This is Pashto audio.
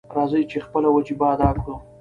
راځئ چې خپله وجیبه ادا کړو.